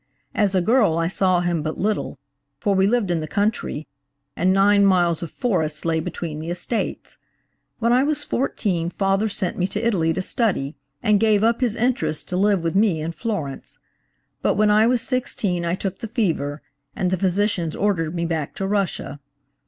"As a girl I saw him but little, for we lived in the country, and nine miles of forest lay between the estates. When I was fourteen father sent me to Italy to study, and gave up his interests to live with me in Florence, but when I was sixteen, I took the fever, and the physicians ordered me back to Russia.